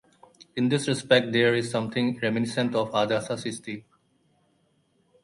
In this respect there is something reminiscent of Agatha Christie.